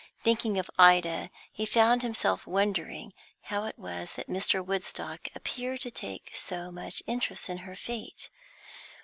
Thinking of Ida, he found himself wondering how it was that Mr. Woodstock appeared to take so much interest in her fate.